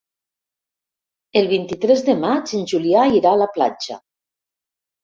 El vint-i-tres de maig en Julià irà a la platja.